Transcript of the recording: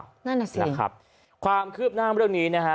นั่นน่ะสินะครับความคืบหน้าเรื่องนี้นะฮะ